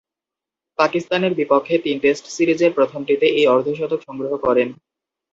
পাকিস্তানের বিপক্ষে তিন টেস্ট সিরিজের প্রথমটিতে এই অর্ধ-শতক সংগ্রহ করেন।